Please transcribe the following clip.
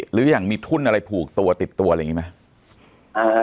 หรืออย่างมีทุ่นอะไรผูกตัวติดตัวอะไรอย่างนี้ไหม